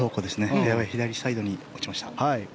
フェアウェー左サイドに落ちました。